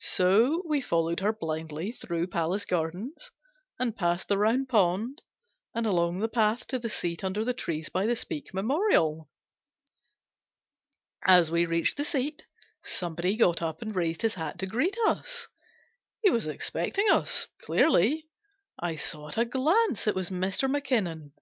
So we followed her blindly through Palace Gardens, and past the Round Pond, and along the path to the seat under the trees by the Speke Memorial. As we reached the seat, somebody got up and raised his hat to greet us. He was ex pecting us, clearly. I saw at a glance it was Mr. Mackinnon.